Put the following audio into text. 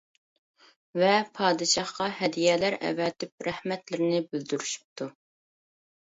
ۋە پادىشاھقا ھەدىيەلەر ئەۋەتىپ رەھمەتلىرىنى بىلدۈرۈشۈپتۇ.